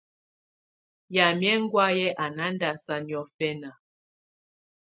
Yamɛ̀́á ɛŋgɔ̀áyɛ̀ à na ndàsaa niɔ̀fɛna.